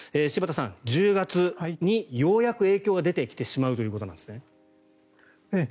柴田さん、１０月にようやく影響が出てきてしまうということなんですね。